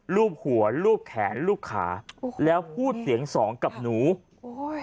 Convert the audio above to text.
ลูบหัวลูบแขนลูบขาโอ้โฮแล้วพูดเสียงศรองกับหนูโอ้ย